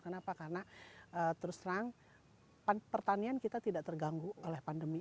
kenapa karena terus terang pertanian kita tidak terganggu oleh pandemi